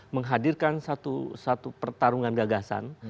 menghadirkan satu pertarungan gagasan